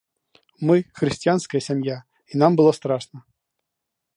Мы хрысціянская сям'я, і нам было страшна.